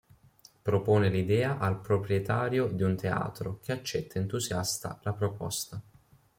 Propone l'idea al proprietario di un teatro che accetta entusiasta la proposta.